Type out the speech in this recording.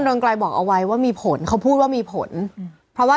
เรืองไกรบอกเอาไว้ว่ามีผลเขาพูดว่ามีผลเพราะว่า